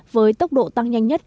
với tốc độ tăng nhanh nhất